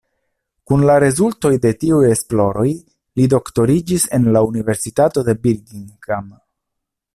Kun la rezultoj de tiuj esploroj li doktoriĝis en la universitato de Birmingham.